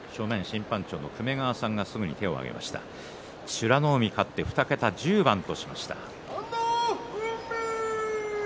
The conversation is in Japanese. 美ノ海が勝って２桁１０番としました。